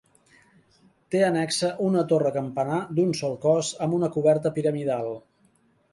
Té annexa una torre-campanar d'un sol cos, amb una coberta piramidal.